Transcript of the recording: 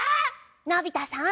のび太さん